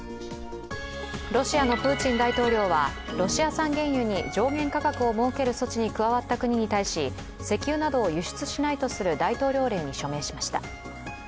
ロシアのプーチン大統領はロシア産原油に上限価格を設ける措置に加わった国に対し石油などを輸出しないとする大統領令に署名しました。